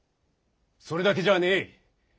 それだけじゃねぇ。